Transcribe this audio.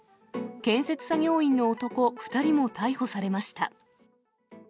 建設作業員の男２人も逮捕されました。